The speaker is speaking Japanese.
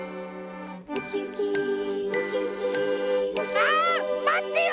ああまってよ！